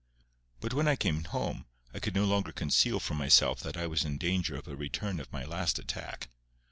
But when I came home, I could no longer conceal from myself that I was in danger of a return of my last attack.